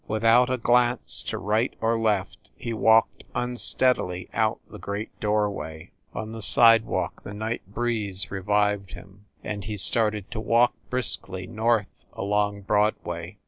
Without a glance to right or left he walked unstead ily out the great doorway. On the sidewalk the night breeze revived him, and he started to walk briskly north along Broadway.